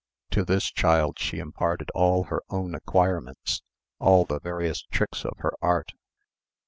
To this child she imparted all her own acquirements, all the various tricks of her art.